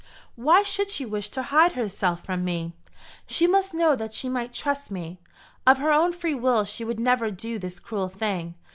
"Why should she wish to hide herself from me? She must know that she might trust me. Of her own free will she would never do this cruel thing.